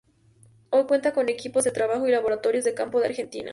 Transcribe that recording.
Hoy cuenta con equipos de trabajo y laboratorios de campo en Argentina.